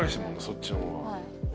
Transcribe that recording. そっちの方が。